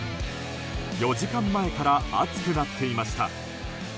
４時間前から熱くなっていました。